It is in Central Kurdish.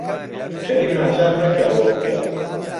کەریم ناچار مەکە ئەوە بکات.